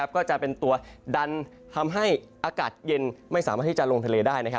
ก็จะเป็นตัวดันทำให้อากาศเย็นไม่สามารถที่จะลงทะเลได้